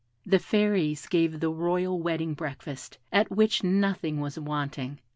The Fairies gave the royal wedding breakfast, at which nothing was wanting.